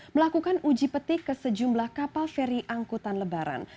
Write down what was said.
melakukan uji petik ke sejumlah kapal feri angkutan lebaran